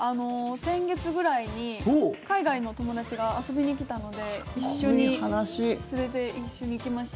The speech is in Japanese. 先月ぐらいに海外の友達が遊びに来たので連れて、一緒に行きました。